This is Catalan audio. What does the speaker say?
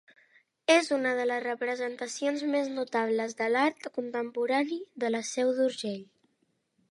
És una de les representacions més notables de l'art contemporani de la Seu d'Urgell.